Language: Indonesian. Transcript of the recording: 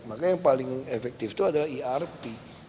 makanya yang paling efektif itu adalah erp